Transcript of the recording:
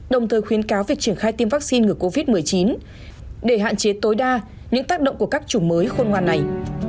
đồng thời khuyến cáo việc triển khai tiêm vaccine ngừa covid một mươi chín để hạn chế tối đa những tác động của các chủng mới khôn ngoan này